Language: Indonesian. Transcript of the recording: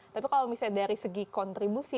tapi kalau misalnya dari segi kontribusi